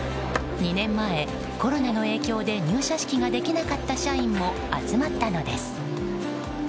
２年前、コロナの影響で入社式ができなかった社員も集まったのです。